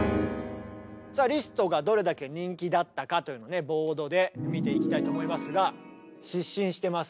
さあリストがどれだけ人気だったかというのをボードで見ていきたいと思いますが。